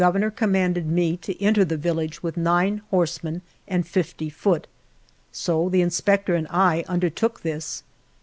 vernor commanded me to enter the village with nine horsemen and fifty foot. So the inspector and I undertook this.